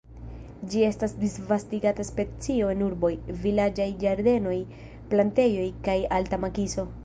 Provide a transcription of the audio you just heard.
Ĝi estas disvastigata specio en urboj, vilaĝaj ĝardenoj, plantejoj kaj alta makiso.